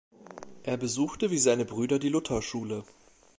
Er besuchte wie seine Brüder die Lutherschule.